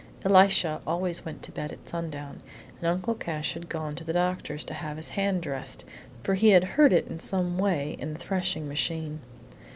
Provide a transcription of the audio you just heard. Elisha always went to bed at sundown, and Uncle Cash had gone to the doctor's to have his hand dressed, for he had hurt it is some way in the threshing machine.